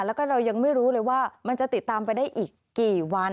แล้วก็เรายังไม่รู้เลยว่ามันจะติดตามไปได้อีกกี่วัน